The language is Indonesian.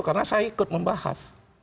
karena saya ikut membahas